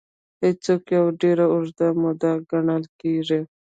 هېڅکله يوه ډېره اوږده موده ګڼل کېږي.